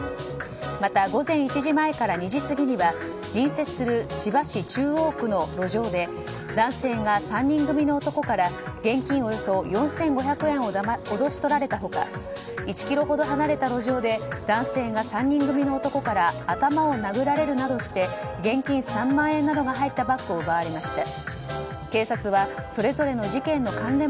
また午前１時前から２時過ぎには隣接する千葉市中央区の路上で男性が３人組の男から現金およそ４５００円を脅し取られた他１ｋｍほど離れた路上で男性が３人組の男から頭を殴られるなどして現金３万円などが入ったバッグを奪われました。